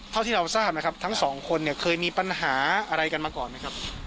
เท่าที่เราทราบนะครับทั้งสองคนเนี่ยเคยมีปัญหาอะไรกันมาก่อนไหมครับ